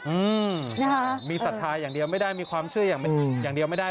อืมนะคะมีศรัทธาอย่างเดียวไม่ได้มีความเชื่ออย่างเดียวไม่ได้